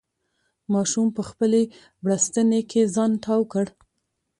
ماشوم په خپلې بړستنې کې ځان تاو کړ.